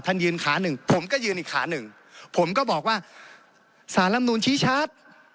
ยืนขาหนึ่งผมก็ยืนอีกขาหนึ่งผมก็บอกว่าสารลำนูนชี้ชัด